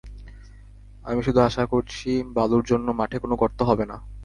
আমি শুধু আশা করছি বালুর জন্য মাঠে কোনো গর্ত হবে না।